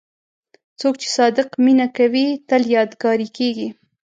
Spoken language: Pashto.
څوک چې صادق مینه کوي، تل یادګاري کېږي.